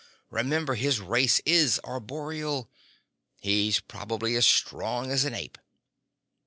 Remember, his race is arboreal. He's probably as strong as an ape."